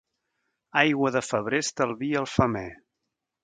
Aigua de febrer estalvia el femer.